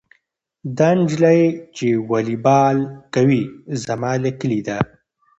دا نجلۍ چې والیبال کوي زما له کلي ده.